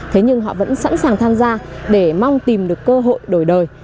thế nhưng họ vẫn sẵn sàng tham gia để mong tìm được cơ hội đổi đời